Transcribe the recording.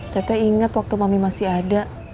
tete ingat waktu mami masih ada